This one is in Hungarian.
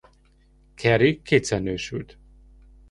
Carrey kétszer nősült.